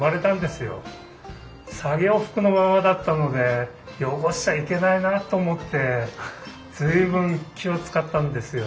作業服のままだったので汚しちゃいけないなあと思って随分気を遣ったんですよ。